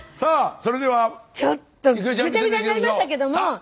それでは郁恵ちゃん。ぐちゃぐちゃになりましたけども。